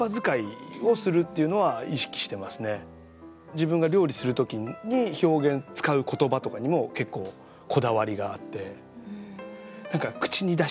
自分が料理する時に表現使う言葉とかにも結構こだわりがあって。